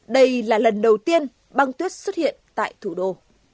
đây là lần đầu tiên băng tuyết xuất hiện tại thủ đô